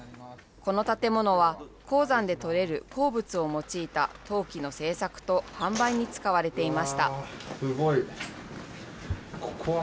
この建物は、鉱山でとれる鉱物を用いた陶器の制作と販売に使われていました。